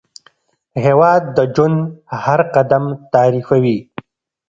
هېواد د ژوند هر قدم تعریفوي.